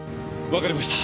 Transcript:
わかりました。